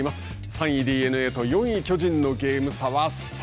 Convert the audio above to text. ３位ＤｅＮＡと４位巨人のゲーム差は３。